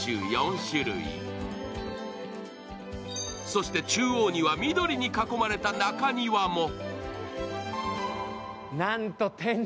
そして中央には緑に囲まれた中庭も。